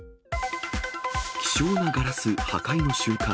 希少なガラス、破壊の瞬間。